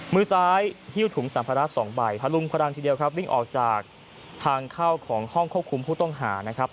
มือซ้ายหิ้วถุงสัมภาระ๒ใบพลุงพลังทีเดียวครับวิ่งออกจากทางเข้าของห้องควบคุมผู้ต้องหานะครับ